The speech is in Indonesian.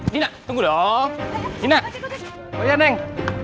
dina tunggu dong